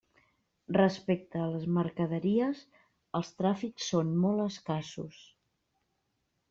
Respecte a les mercaderies, els tràfics són molt escassos.